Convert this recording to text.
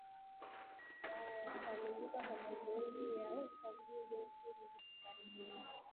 da ya kukamilika kwa zoezi la uchaguzi mkuu hivi karibuni